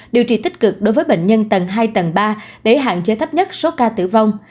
điều trị tích cực đối với bệnh nhân tầng hai tầng ba để hạn chế thấp nhất số ca tử vong